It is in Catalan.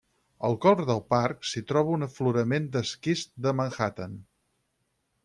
Al cor del parc, s'hi troba un aflorament d'esquist de Manhattan.